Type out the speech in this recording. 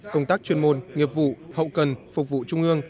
công tác chuyên môn nghiệp vụ hậu cần phục vụ trung ương